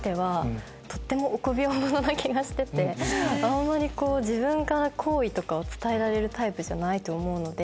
な気がしててあんまりこう自分から好意とかを伝えられるタイプじゃないと思うので。